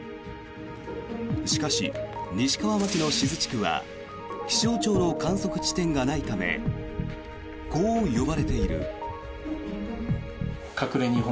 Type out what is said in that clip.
しかし、西川町の志津地区は気象庁の観測地点がないためこう呼ばれている。